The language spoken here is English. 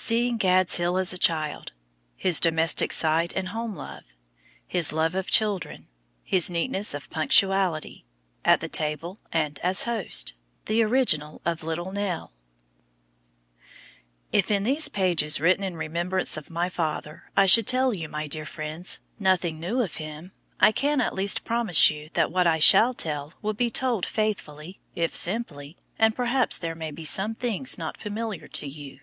Seeing "Gad's Hill" as a child.—His domestic side and home love.—His love of children.—His neatness and punctuality.—At the table, and as host.—The original of "Little Nell." [Picture: Charles Dickens Reading in Garden] If, in these pages, written in remembrance of my father, I should tell you my dear friends, nothing new of him, I can, at least, promise you that what I shall tell will be told faithfully, if simply, and perhaps there may be some things not familiar to you.